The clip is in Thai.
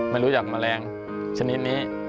ไม่รู้จักแมลงชนิดนี้